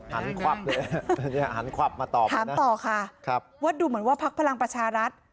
ควับเลยหันควับมาตอบถามต่อค่ะครับว่าดูเหมือนว่าพักพลังประชารัฐ